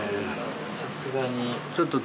さすがに。